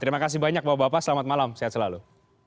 terima kasih banyak bapak bapak selamat malam sehat selalu